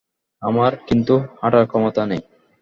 আমার কিন্তু হাঁটার ক্ষমতা নেই।